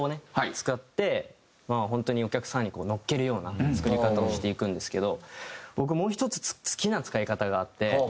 使って本当にお客さんに乗っけるような作り方をしていくんですけど僕もう１つ好きな使い方があって。